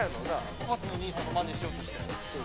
おばたのお兄さんのまねしようとして。